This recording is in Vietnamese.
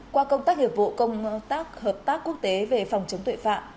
qua công tác hiệp vụ công tác hợp tác quốc tế về phòng chống tội phạm